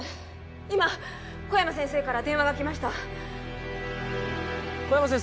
今小山先生から電話が来ました小山先生